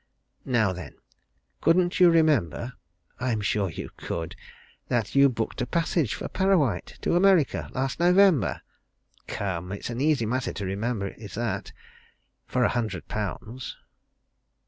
Now then couldn't you remember I'm sure you could that you booked a passage for Parrawhite to America last November? Come! It's an easy matter to remember is that for a hundred pounds."